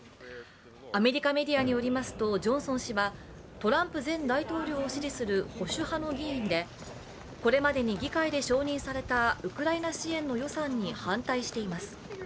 アメリカメディアによりますと、ジョンソン氏はトランプ前大統領を支持する保守派の議員でこれまでに議会で承認されたウクライナ支援の予算に反対しています。